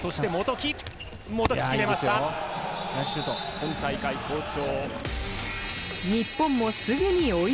今大会好調。